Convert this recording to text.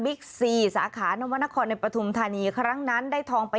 ซีสาขานวรรณครในปฐุมธานีครั้งนั้นได้ทองไป